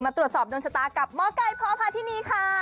ตรวจสอบดวงชะตากับหมอไก่พอพาที่นี่ค่ะ